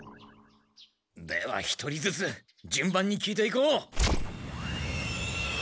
では１人ずつじゅん番に聞いていこう。